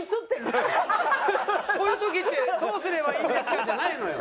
「こういう時ってどうすればいいんですか？」じゃないのよ。